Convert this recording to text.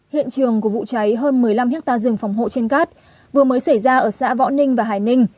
hiện trường của vụ cháy hơn một mươi năm hectare rừng phòng hộ trên cát vừa mới xảy ra ở xã võ ninh và hải ninh